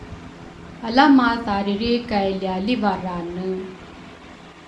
Ala mathariri kay lialivarane!